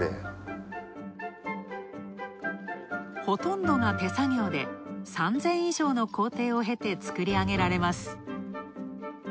ほとんどが手作業で、３０００以上の工程を経て作り上げられます。